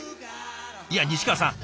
いや西川さん